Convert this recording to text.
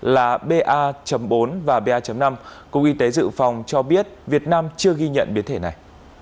là ba bốn và ba năm cục y tế dự phòng cho biết việt nam chưa ghi nhận biến thể này